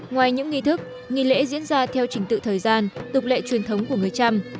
ngoài những nghi thức nghi lễ diễn ra theo trình tự thời gian tục lệ truyền thống của người trăm